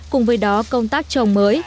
cùng với đó công tác trồng mới